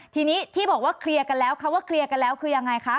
ทีนี้ที่บอกว่าเคลียร์กันแล้วคำว่าเคลียร์กันแล้วคือยังไงคะ